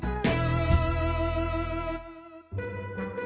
apa cewek tuh